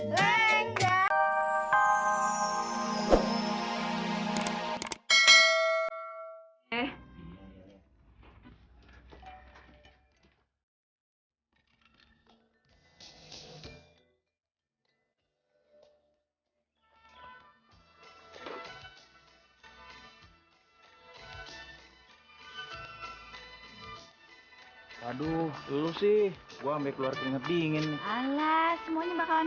hai paduh dulu sih gua ambil keluar keringat dingin alas semuanya bakalan